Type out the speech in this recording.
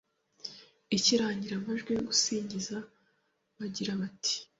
ikirangira amajwi yo gusingiza bagira bati: